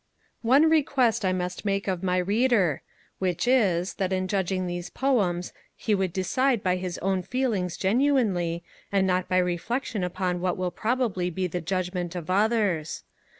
One request I must make of my reader, which is, that in judging these Poems he would decide by his own feelings genuinely, and not by reflection upon what will probably be the judgement of others.